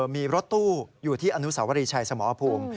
มีรถตู้อยู่ที่อนุสาวรีชัยสมรภูมิ